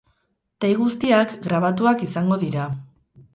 Dei guztiak grabatuak izango dira.